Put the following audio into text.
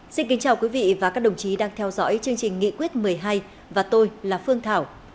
xin kính chào quý vị và các đồng chí đang theo dõi chương trình nghị quyết một mươi hai và tôi là phương thảo